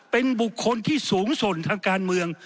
เป็นบุคคลที่สูงสนทางการเมือง